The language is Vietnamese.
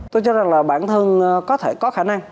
tôi cho rằng là bản thân có thể có khả năng